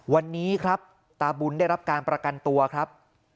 วันนี้ครับตาบุญได้รับการประกันตัวครับ